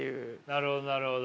なるほどなるほど。